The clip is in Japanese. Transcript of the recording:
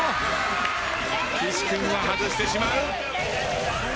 岸君が外してしまう。